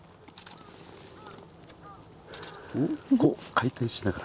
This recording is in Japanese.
回転しながら。